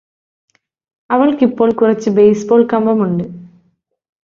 അവൾക്ക് ഇപ്പോൾ കുറച്ച് ബേസ്ബോൾ കമ്പമുണ്ട്